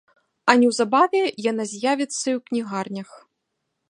А неўзабаве яна з'явіцца і ў кнігарнях.